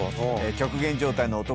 極限状態の男